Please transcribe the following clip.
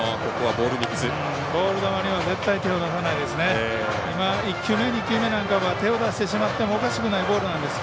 ボール球には絶対、手を出さないですね。